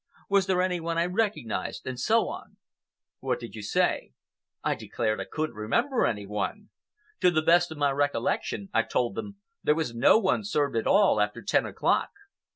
Was there any one I recognized, and so on." "What did you say?" "I declared I couldn't remember any one. To the best of my recollection, I told them, there was no one served at all after ten o'clock.